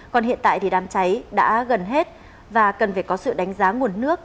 còn hiện tại thì đám cháy đã gần hết và cần phải có sự đánh giá nguồn nước